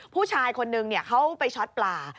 ผู้ชายคนนึงเขาไปช็อตปลา